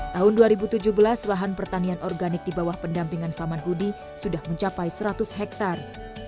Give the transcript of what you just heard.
tahun dua ribu tujuh belas lahan pertanian organik di bawah pendampingan saman hudi sudah mencapai seratus hektare